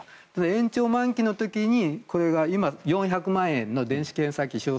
延長満期の時にこれが今の４００万円の電子計算機使用